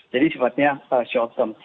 jadi sifatnya short term